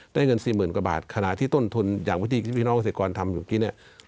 ได้เงินสี่หมื่นกว่าบาทขณะที่ต้นทุนอย่างวิธีพี่น้องเกษตรกรทำอยู่บันดาล